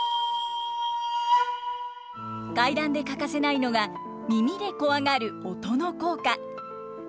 怪談で欠かせないのが耳でコワがる音の効果。